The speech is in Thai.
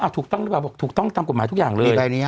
ถูกต้องหรือเปล่าบอกถูกต้องตามกฎหมายทุกอย่างเลย